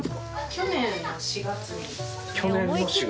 去年の４月。